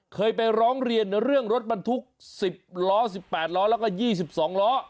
เคยไปร้องเรียนเรื่องรถบรรทุก๑๐ล้อ๑๘ล้อแล้วก็๒๒ล้อ